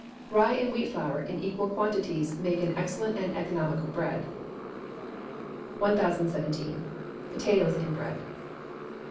Rye and wheat flour, in equal quantities, make an excellent and economical bread. 1017. Potatoes in Bread.